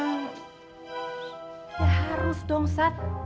ya harus dong sat